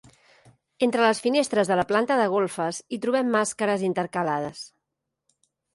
Entre les finestres de la planta de golfes hi trobem màscares intercalades.